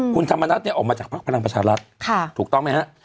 คุณธรรมนัฐเนี่ยออกมาจากภักดิ์พลังประชารัฐถูกต้องไหมฮะ